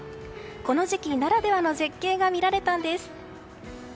この時期ならではの絶景が見られたんです。